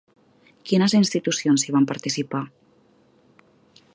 Quines institucions hi van participar?